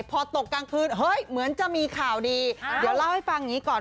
พอตกกลางคืนเฮ้ยเหมือนจะมีข่าวดีเดี๋ยวเล่าให้ฟังอย่างนี้ก่อน